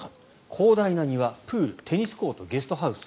広大な庭、プールテニスコート、ゲストハウス